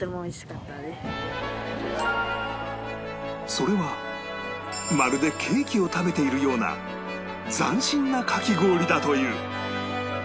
それはまるでケーキを食べているような斬新なかき氷だという